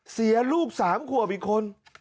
เสียลูก๓ขวบอีกคน